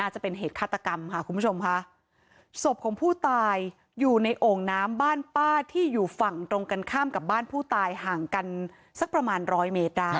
จะเป็นเหตุฆาตกรรมค่ะคุณผู้ชมค่ะศพของผู้ตายอยู่ในโอ่งน้ำบ้านป้าที่อยู่ฝั่งตรงกันข้ามกับบ้านผู้ตายห่างกันสักประมาณร้อยเมตรได้